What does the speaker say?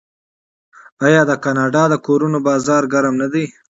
آیا د کاناډا د کورونو بازار ګرم نه دی؟